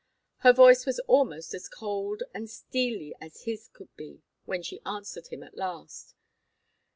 Her voice was almost as cold and steely as his could be when she answered him at last.